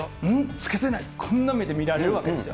着けてない、こんな目で見られるわけですよ。